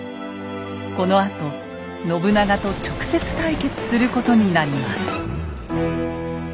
このあと信長と直接対決することになります。